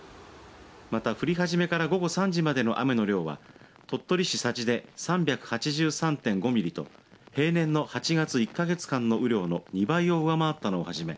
また降り始めから午後３時までの雨の量は鳥取市佐治で３８３．５ミリと平年の８月１か月間の雨量の２倍を上回ったのをはじめ、